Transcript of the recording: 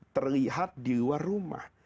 terlihat di luar rumah